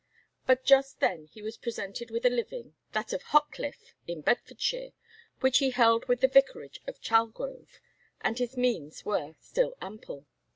But just then he was presented with a living, that of Hockliffe, in Bedfordshire, which he held with the vicarage of Chalgrove, and his means were still ample.